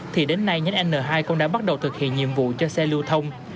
thì đến nay nhánh n hai cũng đã bắt đầu thực hiện nhiệm vụ cho xe lưu thông